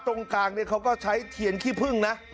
ตรงกลางเนี่ยเขาก็ใช้เทียนขี้พึ่งนะ